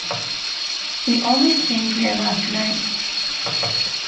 We only came here last night.